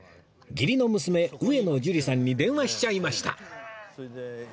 義理の娘上野樹里さんに電話しちゃいました